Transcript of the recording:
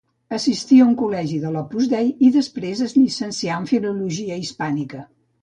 Assistí a un col·legi de l'Opus Dei i després es llicencià en filologia hispànica.